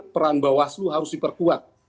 peran bawah seluruh harus diperkuat